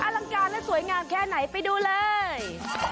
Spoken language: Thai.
อลังการและสวยงามแค่ไหนไปดูเลย